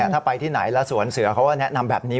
ถ้าไปที่ไหนแล้วสวนเสือเขาก็แนะนำแบบนี้